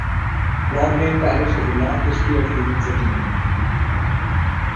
Broadmayne parish has a long history of human settlement.